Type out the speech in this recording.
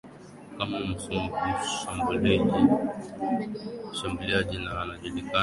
Kama mshambuliaji na anajulikana kama mtu wa ajabu